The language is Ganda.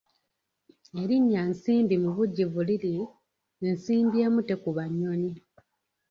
Erinnya Nsimbi mu bujjuvu liri Nsimbi emu tekuba nnyonyi.